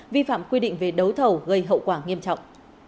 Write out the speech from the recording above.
vi phạm quy định về đấu thầu gây hậu quả nghiêm trọng